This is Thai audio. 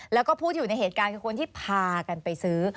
แล้วก็ผู้ที่อยู่ในเหตุการณ์คือคนที่พากันไปซื้อ